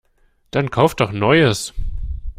Dann Kauf doch Neues!